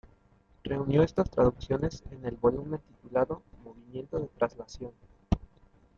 Reunió estas traducciones en el volumen titulado "Movimiento de traslación".